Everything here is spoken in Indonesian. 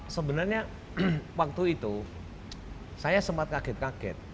sebenarnya waktu itu saya sempat kaget kaget